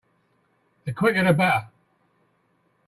The quicker the better.